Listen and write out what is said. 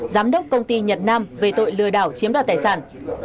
giám đốc công ty nhật nam về tội lừa đảo chiếm đoạt tài sản